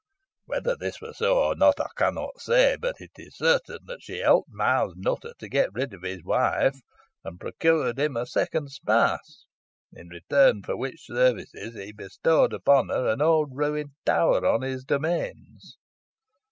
Whether this were so or not, I cannot say; but it is certain that she helped Miles Nutter to get rid of his wife, and procured him a second spouse, in return for which services he bestowed upon her an old ruined tower on his domains."